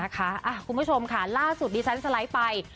ค่ะคุณผู้ชมค่ะล่าสุดดีฉันจะไลก์ไป